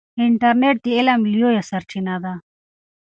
انټرنیټ د علم لویه سرچینه ده.